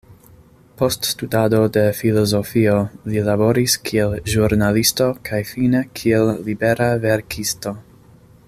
Post studado de filozofio li laboris kiel ĵurnalisto kaj fine kiel libera verkisto.